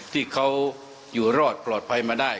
ที่เขาอยู่รอดปลอดภัยมาได้